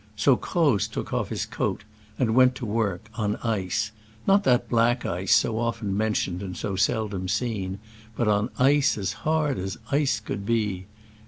So Croz took off his coat and went to work, on ice — not that black ice so often mentioned and so seldom seen, but on ice as hard as ice could be.